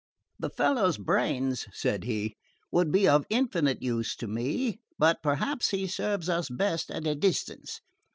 "The fellow's brains," said he, "would be of infinite use to me; but perhaps he serves us best at a distance.